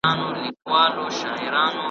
چي دې اولس وه تل نازولي .